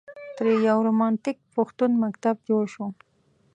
ترې یو رومانتیک پښتون مکتب جوړ شو.